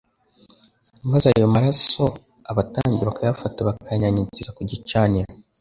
maze ayo maraso abatambyi bakayafata bakayanyanyiza ku gicaniro